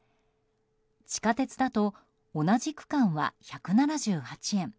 地下鉄だと同じ区間は１７８円。